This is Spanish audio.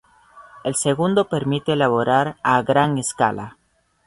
El segundo permite elaborar a gran escala.